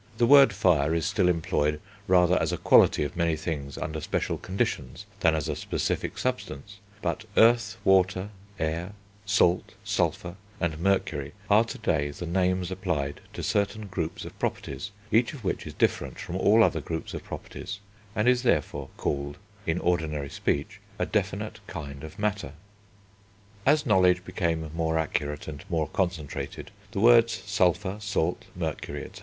The word fire is still employed rather as a quality of many things under special conditions, than as a specific substance; but earth, water, air, salt, sulphur, and mercury, are to day the names applied to certain groups of properties, each of which is different from all other groups of properties, and is, therefore, called, in ordinary speech, a definite kind of matter. As knowledge became more accurate and more concentrated, the words sulphur, salt, mercury, &c.